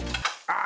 あ！